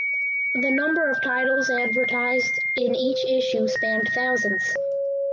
The number of titles advertised in each issue spanned thousands.